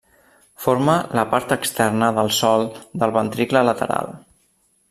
Forma la part externa del sòl del ventricle lateral.